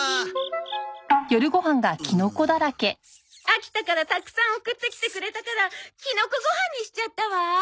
秋田からたくさん送ってきてくれたからキノコご飯にしちゃったわ。